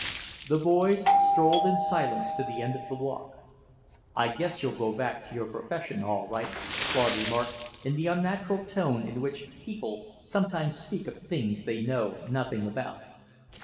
The boys strolled in silence to the end of the walk. "I guess you'll go back to your profession, all right," Claude remarked, in the unnatural tone in which people sometimes speak of things they know nothing about.